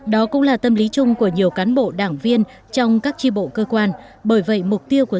đó cũng là tâm lý chung của nhiều cán bộ đảng viên trong các tri bộ cơ quan bởi vậy mục tiêu của